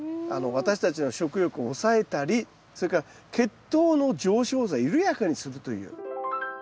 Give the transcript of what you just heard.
私たちの食欲を抑えたりそれから血糖の上昇を抑える緩やかにするという。